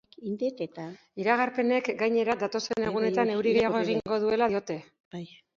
Iragarpenek, gainera, datozen egunetan euri gehiago egingo duela diote.